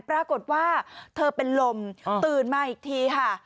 ปรากฏว่าเธอเป็นลมตื่นมาอีกทีค่ะ